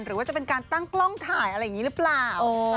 หรือว่าจะเป็นการตั้งกล้องถ่ายอะไรอย่างนี้หรือเปล่า